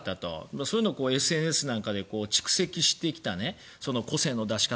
そういうのをＳＮＳなんかで蓄積してきた個性の出し方